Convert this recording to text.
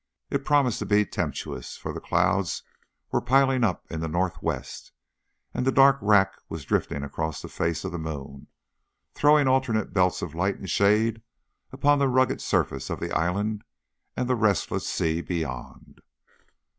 It promised to be tempestuous, for the clouds were piling up in the north west, and the dark wrack was drifting across the face of the moon, throwing alternate belts of light and shade upon the rugged surface of the island and the restless sea beyond.